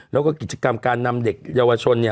แล้วก็กิจกรรมการนำเด็กเยาวชน